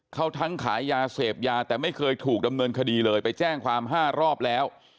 เขาทั้งขายยาเสพยาแต่ไม่เคยถูกดำเนินคดีเลยไปแจ้งความ๕รอบแล้ว